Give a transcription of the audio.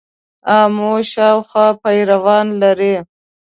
آمو شاوخوا پیروان لري.